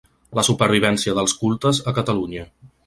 La supervivència dels cultes a Catalunya.